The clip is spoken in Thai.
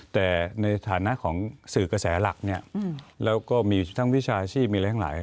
แต่ในฐานะของสื่อกระแสหลักแล้วก็มีทั้งวิชาชีมีหลาย